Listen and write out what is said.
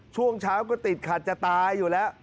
ช่วงเช้าก็ติดขัดจะตายอยู่แล้ว